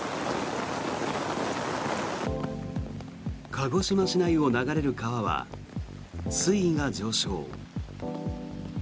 鹿児島市内を流れる川は水位が上昇。